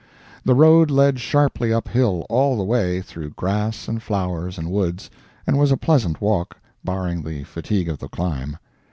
The road led sharply uphill, all the way, through grass and flowers and woods, and was a pleasant walk, barring the fatigue of the climb.